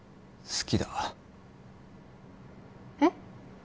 好きだえっ？